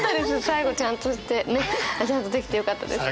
最後ちゃんとしてね。ちゃんとできてよかったです。